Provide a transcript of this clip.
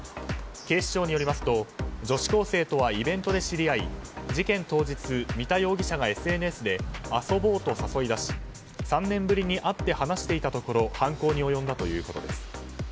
警視庁によりますと女子高生とはイベントで知り合い事件当日、三田容疑者がＳＮＳで遊ぼうと誘い出し３年ぶりに会って話していたところ犯行に及んだということです。